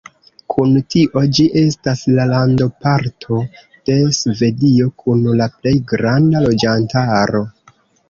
Kun tio, ĝi estas la landoparto de Svedio kun la plej granda loĝantaro.